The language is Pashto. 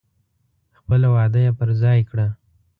خپله وعده یې پر ځای کړه.